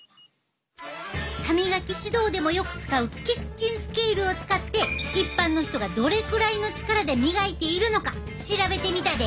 歯みがき指導でもよく使うキッチンスケールを使って一般の人がどれくらいの力で磨いているのか調べてみたで。